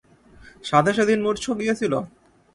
সাধে সেদিন মুর্ছো গিয়েছিল?